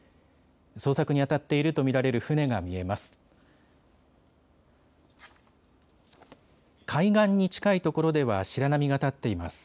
捜索にあたっていると見られる船が見えます。